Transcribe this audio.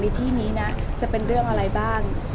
ที่นี้นะจะเป็นเรื่องอะไรบ้าง